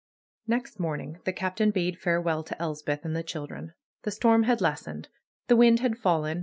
Next morning the Captain bade farewell to Elspeth and the children. The storm had lessened. The wind had fallen.